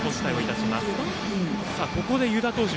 ここで湯田投手。